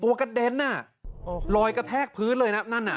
ตัวกระเด็นรอยกระแทกพื้นเลย